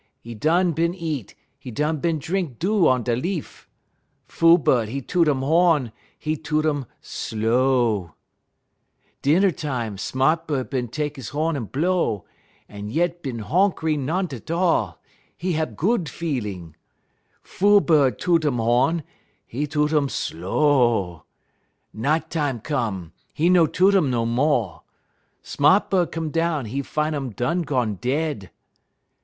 'E done bin eat, 'e done bin drink dew on da leaf. Fool bud, 'e toot um ho'n, 'e toot um slow. "Dinner time, sma't bud bin tek 'e ho'n en blow; 'e yent bin honkry no'n 't all; 'e hab good feelin'. Fool bud toot um ho'n; 'e toot um slow. Night tam come, 'e no toot um no mo'. Sma't bud come down, 'e fin' um done gone dead.